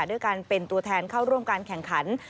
ด้วยการเป็นตัวแทนเข้าร่วมการแข่งขัน